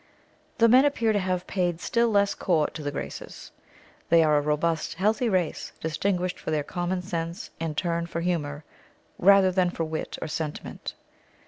The men appear to have paid still less court to the graces. They are a robust, healthy race, distinguished for their common sense and turn for humour, rather than for wit or sentiment.